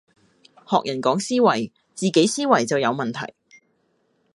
學人講思維，自己思維就有問題